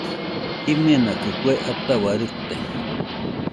Jimenakɨ kue ataua rite